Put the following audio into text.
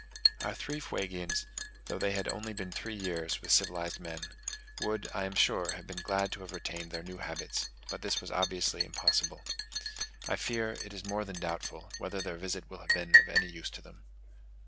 Our three Fuegians, though they had been only three years with civilized men, would, I am sure, have been glad to have retained their new habits; but this was obviously impossible. I fear it is more than doubtful, whether their visit will have been of any use to them.